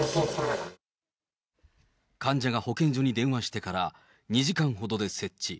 患者が保健所に電話してから２時間ほどで設置。